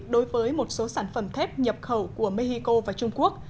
đối với một số sản phẩm thép nhập khẩu của mexico và trung quốc